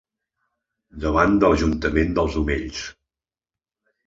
Davant de l'ajuntament dels Omells.